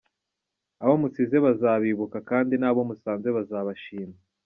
Abo musize bazabibuka ,kandi n’abo musanze bazabashima.